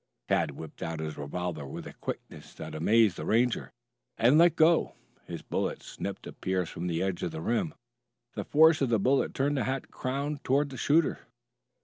Tad whipped out his revolver with a quickness that amazed the Ranger, and let go. His bullet snipped a piece from the edge of the rim. The force of the bullet turned the hat crown toward the shooter.